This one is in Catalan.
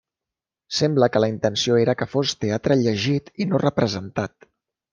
Sembla que la intenció era que fos teatre llegit i no representat.